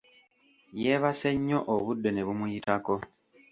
Yeebase nnyo obudde ne bumuyitako.